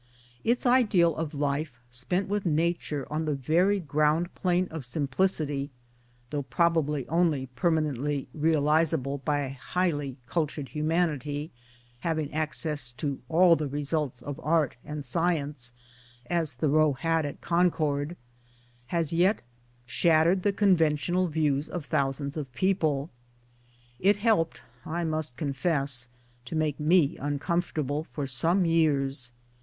Its ideal of life spent with Nature on the very ground plane of simplicity (though probably only per manently realizable by a highly cultured humanity, having access to all the results of art and science, as Thoreau had at Concord) has yet shattered the conventional views of thousands of people. It helped, I must confess, to make me uncomfortable for some years.